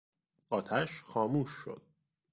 آتش خاموش شد.